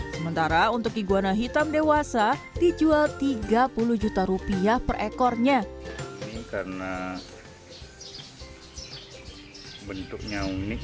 sementara untuk iguana hitam dewasa dijual tiga puluh juta rupiah per ekornya karena bentuknya unik